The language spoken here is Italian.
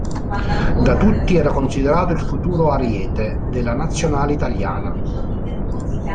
Da tutti era considerato il futuro ariete della Nazionale Italiana.